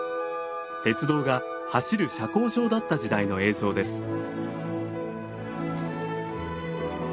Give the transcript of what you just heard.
鉄道が走る社交場だった時代の映像です。